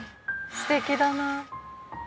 すてきだな。